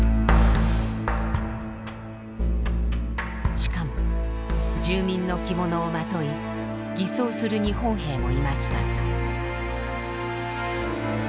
しかも住民の着物をまとい偽装する日本兵もいました。